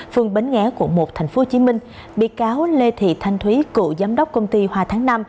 phường bến nghé quận một tp hcm bị cáo lê thị thanh thúy cựu giám đốc công ty hoa tháng năm